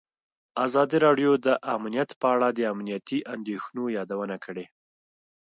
ازادي راډیو د امنیت په اړه د امنیتي اندېښنو یادونه کړې.